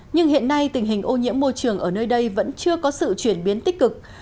nhưng hiện nay tình hình ô nhiễm môi trường ở nơi đây vẫn chưa có sự chuyển biến tích cực